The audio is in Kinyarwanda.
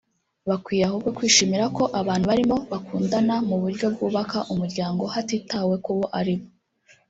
Bakwiye ahubwo kwishimira ko abantu barimo bakundana mu buryo bwubaka umuryango hatitawe kubo ari bo